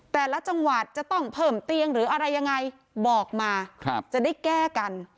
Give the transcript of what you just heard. แต่ละจังหวัดจะต้องเพิ่มเตียงหรืออะไรยังไงบอกมาจะได้แก้กัน